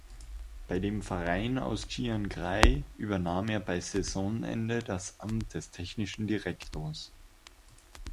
Bei dem Verein aus Chiangrai übernahm er bis Saisonende das Amt des Technischen Direktors.